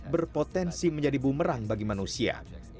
berpotensi menjadi bumerang bagi manusia